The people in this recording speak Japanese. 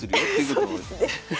そうですね。